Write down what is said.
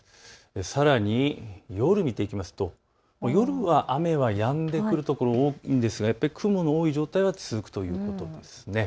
さらに夜を見ていきますと夜は雨はやんでくる所が多いんですがやっぱり雲の多い状態は続くということです。